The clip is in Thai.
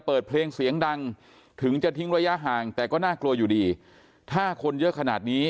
เปิดเพลงเสียงดังถึงจะทิ้งระยะห่างแต่ก็น่ากลัวอยู่ดีถ้าคนเยอะขนาดนี้